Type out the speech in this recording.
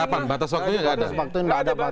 kapan batas waktunya gak ada